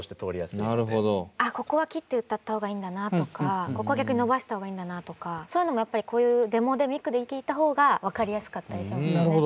ここは切って歌った方がいいんだなとかここは逆に伸ばした方がいいんだなとかそういうのもやっぱりこういうデモでミクで聴いた方が分かりやすかったりしますよね。